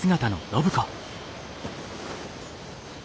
暢子！